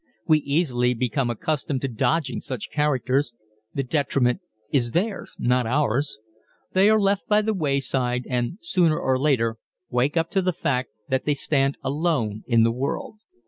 We easily become accustomed to dodging such characters. The detriment is theirs not ours. They are left by the wayside and sooner or later wake up to the fact that they stand alone in the world.